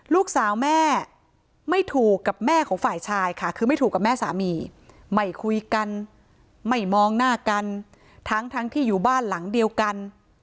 ลูกสาวแม่ไม่ถูกกับแม่ของฝ่ายชายค่ะคือไม่ถูกกับแม่สามีไม่คุยกันไม่มองหน้ากันทั้งที่อยู่บ้านหลังเดียวกัน